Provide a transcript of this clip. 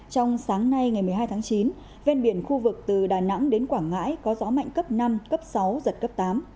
trong sáng nay ngày một mươi hai tháng chín ven biển khu vực từ đà nẵng đến quảng ngãi có gió mạnh cấp năm cấp sáu giật cấp tám